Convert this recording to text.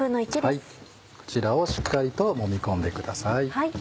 こちらをしっかりともみ込んでください。